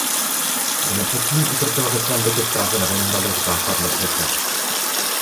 Den předtím utrpěl ve svém bytě v Praze na Vinohradech záchvat mrtvice.